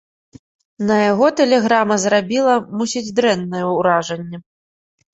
На яго тэлеграма зрабіла, мусіць, дрэннае ўражанне.